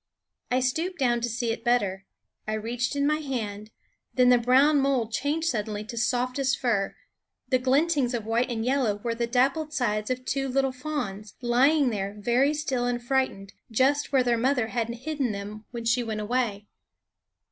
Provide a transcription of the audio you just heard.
I stooped down to see it better; I reached in my hand then the brown mold changed suddenly to softest fur; the glintings of white and yellow were the dappled sides of two little fawns, lying there very still and frightened, just where their mother had hidden them when she went away.